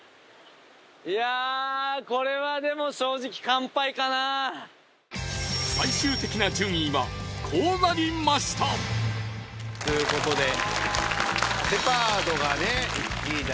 いやこれはでも正直完敗かな最終的な順位はこうなりましたということででございましたね